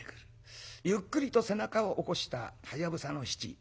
ゆっくりと背中を起こしたはやぶさの七。